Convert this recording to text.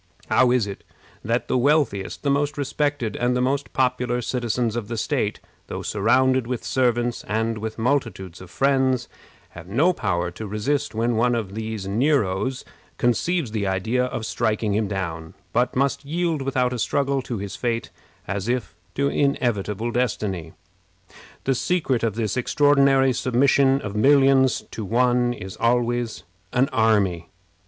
How is it that the wealthiest, the most respected, and the most popular citizens of the state, though surrounded with servants and with multitudes of friends, have no power to resist when one of these Neros conceives the idea of striking him down, but must yield without a struggle to his fate, as if to inevitable destiny? The secret of this extraordinary submission of millions to one is always an army.